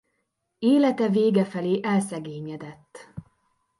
Élete vége felé elszegényedett.